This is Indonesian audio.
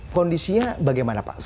kondisinya bagaimana pak